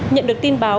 nhận được tin báo